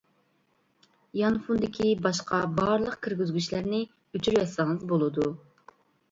يانفوندىكى باشقا بارلىق كىرگۈزگۈچلەرنى ئۆچۈرۈۋەتسىڭىز بولىدۇ.